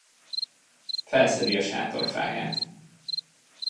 Felszedi a sátorfáját.